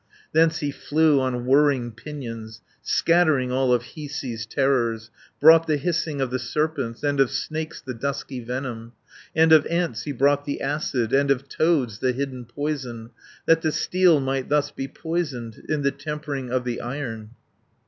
"Thence he flew on whirring pinions, Scattering all of Hiisi's terrors, Brought the hissing of the serpents, And of snakes the dusky venom, 240 And of ants he brought the acid, And of toads the hidden poison, That the steel might thus be poisoned, In the tempering of the Iron.